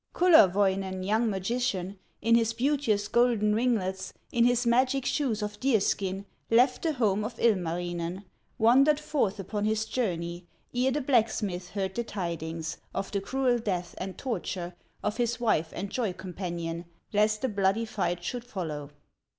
Kullerwoinen, young magician, In his beauteous, golden ringlets, In his magic shoes of deer skin, Left the home of Ilmarinen Wandered forth upon his journey, Ere the blacksmith heard the tidings Of the cruel death and torture Of his wife and joy companion, Lest a bloody fight should follow.